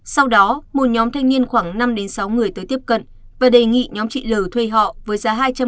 sau đó một nhóm thanh niên khoảng năm sáu người tới tiếp cận và đề nghị nhóm chị l thuê họ